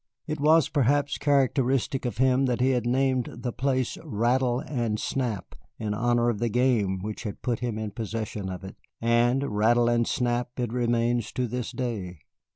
It was perhaps characteristic of him that he had named the place "Rattle and Snap" in honor of the game which had put him in possession of it, and "Rattle and Snap" it remains to this day.